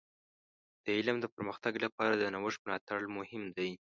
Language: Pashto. د علم د پرمختګ لپاره د نوښت ملاتړ مهم دی.